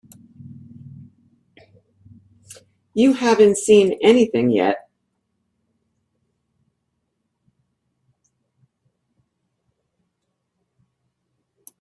You haven't seen anything yet.